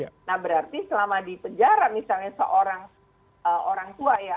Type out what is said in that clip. nah berarti selama di penjara misalnya seorang orang tua ya